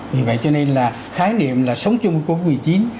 vì vậy cho nên là khái niệm là sống chung covid một mươi chín